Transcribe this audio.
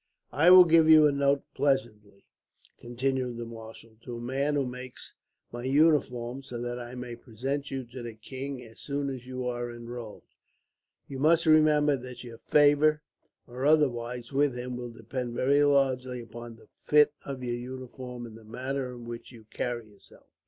"I will give you a note presently," continued the marshal, "to a man who makes my uniforms, so that I may present you to the king, as soon as you are enrolled. You must remember that your favour, or otherwise, with him will depend very largely upon the fit of your uniform, and the manner in which you carry yourself.